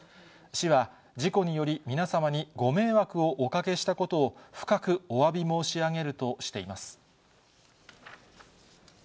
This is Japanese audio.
市は、事故により皆様にご迷惑をおかけしたことを、深くおわび申し上げ